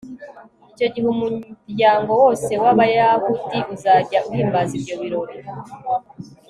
icyo gihe umuryango wose w'abayahudi uzajya uhimbaza ibyo birori